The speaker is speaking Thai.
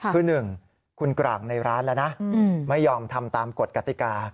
คือ๑คุณกร่างในร้านแล้วนะไม่ยอมทำตามกฎกติกา